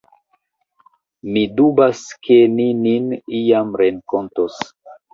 Mi dubas, ke ni nin iam renkontos.